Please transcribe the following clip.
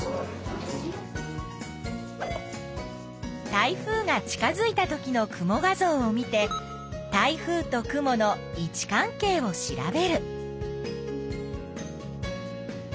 台風が近づいたときの雲画ぞうを見て台風と雲の位置関係を調べる。